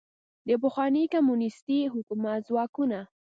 د پخواني کمونیستي حکومت ځواکونو